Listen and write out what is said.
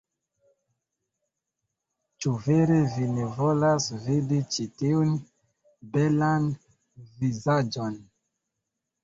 Ĉu vere? Vi ne volas vidi ĉi tiun belan vizaĝon?